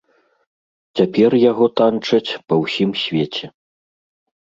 Цяпер яго танчаць па ўсім свеце.